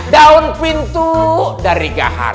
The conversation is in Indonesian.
daun pintu dari gahar